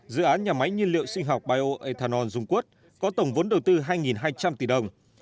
dự án nhà máy nhiên liệu sinh học bio ethanol dung quốc có tổng vốn đầu tư hai hai trăm linh tỷ đồng